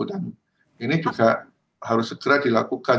dan ini juga harus segera dilakukan